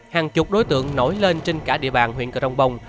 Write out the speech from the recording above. hàng chục đối tượng nổi lên trên cả địa bàn huyện cờ rông bông